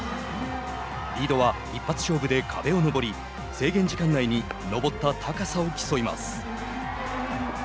リードは一発勝負で壁を登り制限時間内に登った高さを競います。